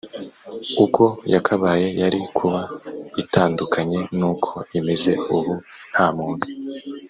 uko yakabaye yari kuba itandukanye n uko imeze ubu nta muntu